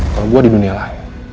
kalau gua di dunia lah